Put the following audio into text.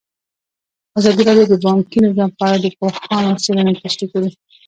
ازادي راډیو د بانکي نظام په اړه د پوهانو څېړنې تشریح کړې.